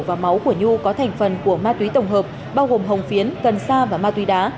và máu của nhu có thành phần của ma túy tổng hợp bao gồm hồng phiến cần sa và ma túy đá